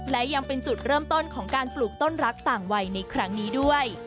และยังเป็นจุดเริ่มต้นของการปลูกต้นรักต่างวัยในครั้งนี้ด้วย